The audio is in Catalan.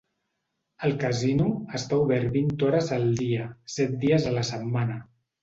El casino està obert vint hores al dia, set dies a la setmana.